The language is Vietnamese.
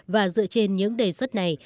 và dựa trên những đề xuất này